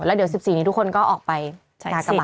แล้วเดี๋ยว๑๔นี้ทุกคนก็กลับออกไปมาจัดกระบาดนี้